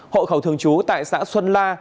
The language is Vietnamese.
hộ khẩu thường trú tại xã xuân la